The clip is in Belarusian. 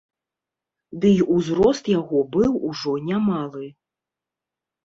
Дый узрост яго быў ужо немалы.